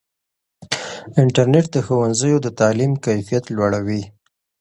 انټرنیټ د ښوونځیو د تعلیم کیفیت لوړوي.